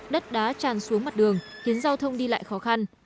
đất đá tràn xuống mặt đường khiến giao thông đi lại khó khăn